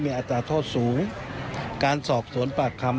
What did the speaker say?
มารถสอบสวนต่อไปครับ